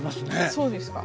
そうですか。